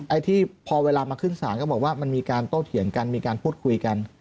ไอ้ที่พอเวลามาขึ้นศาลก็บอกว่ามันมีการโต้เถียงกันมีการพูดคุยกัน